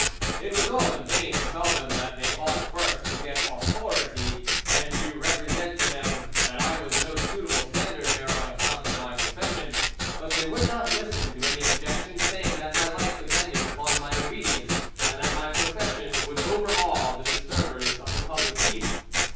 "It was all in vain to tell them that they ought first to get authority, and to represent to them that I was no suitable standard bearer on account of my profession; but they would not listen to any objection, saying that my life depended upon my obedience, and that my profession would overawe the disturbers of the public peace.